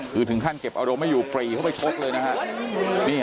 คือถึงขั้นเก็บอารมณ์ไม่อยู่ปรีเข้าไปชกเลยนะฮะ